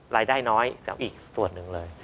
รายได้น้อยกับอีกส่วนหนึ่งเลย